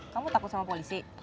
kamu takut sama polisi